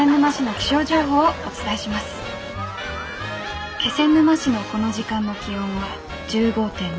気仙沼市のこの時間の気温は１５．２度。